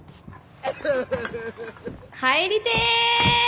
帰りてぇ！